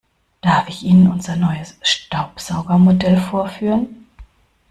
Darf ich Ihnen unser neues Staubsaugermodell vorführen?